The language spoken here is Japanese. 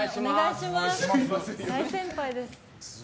大先輩です。